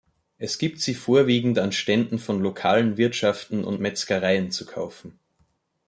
Es gibt sie vorwiegend an Ständen von lokalen Wirtschaften und Metzgereien zu kaufen.